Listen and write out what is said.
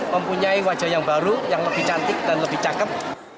mempunyai wajah yang baru yang lebih cantik dan lebih cakep